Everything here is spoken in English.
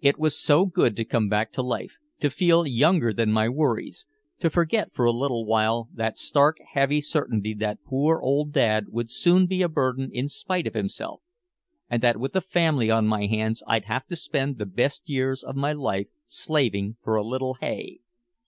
It was so good to come back to life, to feel younger than my worries, to forget for a little while that stark heavy certainty that poor old Dad would soon be a burden in spite of himself, and that with a family on my hands I'd have to spend the best years of my life slaving for a little hay.